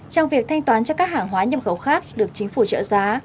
trong việc thanh toán cho các hàng hóa nhập khẩu khác được chính phủ trợ giá